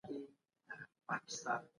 تر هغې چي انسان ژوندی وي نو غولیږي به.